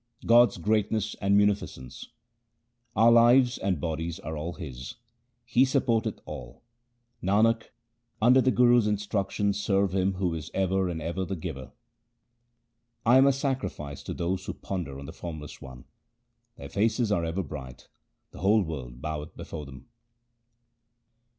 God's greatness and munificence :— Our lives and bodies are all His ; He supporteth all. Nanak, under the Guru's instruction serve Him who is ever and ever the Giver. I am a sacrifice to those who ponder on the Formless One. Their faces are ever bright ; the whole world boweth before them.